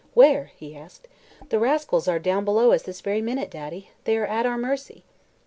"Where?" he asked. "The rascals are down below us this very minute, Daddy. They are at our mercy."